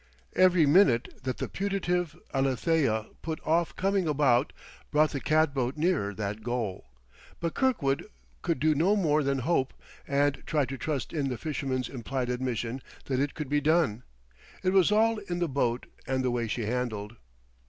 Every minute that the putative Alethea put off coming about brought the cat boat nearer that goal, but Kirkwood could do no more than hope and try to trust in the fisherman's implied admission that it could be done. It was all in the boat and the way she handled.